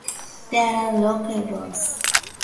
There are local roads.